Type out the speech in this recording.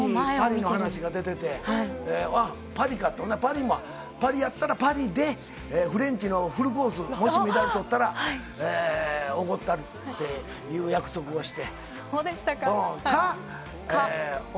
すぐにパリの話が出てて、パリやったら、パリでフレンチのフルコース、もしメダルを取ったら、おごったるっていう約束をして。